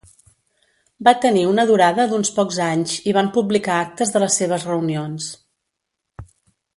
Va tenir una durada d'uns pocs anys i van publicar actes de les seves reunions.